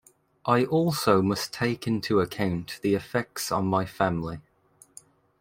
I also must take into account the effects on my family.